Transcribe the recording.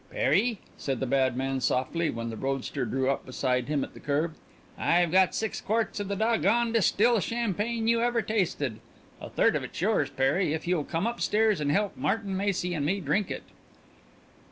"Perry," said the bad man softly when the roadster drew up beside him at the curb, "I've got six quarts of the doggonedest still champagne you ever tasted. A third of it's yours, Perry, if you'll come up stairs and help Martin Macy and me drink it."